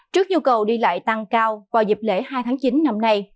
trước nhu cầu đi lại tăng cao vào dịp lễ hai tháng chín năm nay